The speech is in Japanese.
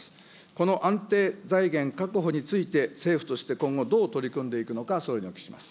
この安定財源確保について政府として今後どう取り組んでいくのか、総理にお聞きします。